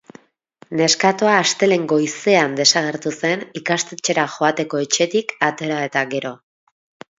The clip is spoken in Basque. Neskatoa astelehen goizean desagertu zen, ikastetxera joateko etxetik atera eta gero.